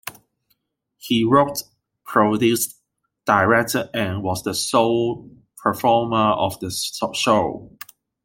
He wrote, produced, directed, and was the sole performer of the show.